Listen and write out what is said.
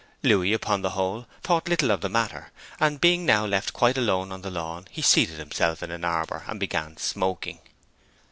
Louis, upon the whole, thought little of the matter, and being now left quite alone on the lawn, he seated himself in an arbour and began smoking.